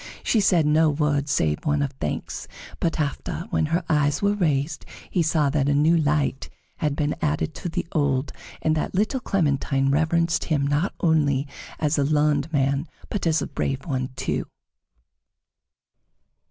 She said no word save one of thanks, but after, when her eyes were raised, he saw that a new light had been added to the old, and that little Clementine reverenced him not only as a learned man, but as a brave one, too.